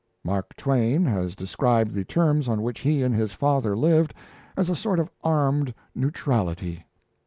Mark Twain has described the terms on which he and his father lived as a sort of armed neutrality.